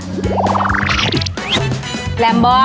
แรมบอร์